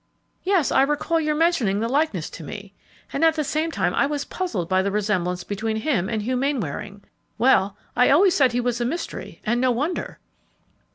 "Yes, I recall your mentioning the likeness to me, and at the same time I was puzzled by the resemblance between him and Hugh Mainwaring. Well, I always said he was a mystery, and no wonder!"